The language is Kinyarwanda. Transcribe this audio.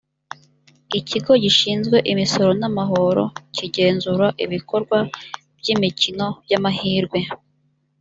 ikigo gishinzwe imisoro n’amahoro kigenzura ibikorwa by’ imikino y’ amahirwe